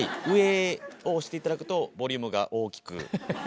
上を押していただくとボリュームが大きく。